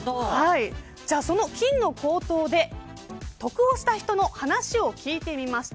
そんな金の高騰で得をした人の話を聞いてみました。